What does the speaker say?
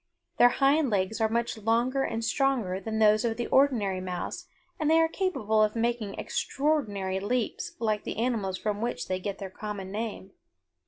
Their hind legs are much longer and stronger than those of the ordinary mouse and they are capable of making extraordinary leaps like the animals from which they get their common name.